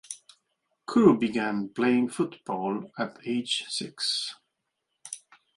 Kuru began playing football at age six.